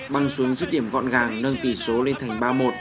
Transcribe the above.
băng xuống rứt điểm gọn gàng nâng tỷ số lên thành ba một